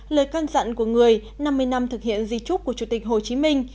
lời can dặn của người năm mươi năm thực hiện di trúc của chủ tịch hồ chí minh